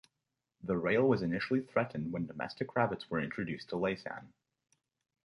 The rail was initially threatened when domestic rabbits were introduced to Laysan.